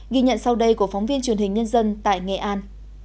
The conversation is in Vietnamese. ghi nhận sau đây của phóng viên truyền hình nhân dân tại nghệ an